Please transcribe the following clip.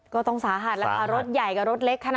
ก็ต้องสาหัสรถใหญ่กับรถเล็กขนาดนั้น